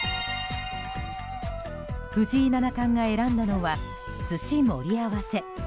藤井七冠が選んだのは寿司盛り合わせ。